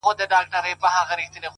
داسي نه كيږي چي اوونـــۍ كې گـــورم.!